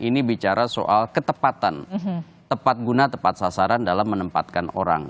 ini bicara soal ketepatan tepat guna tepat sasaran dalam menempatkan orang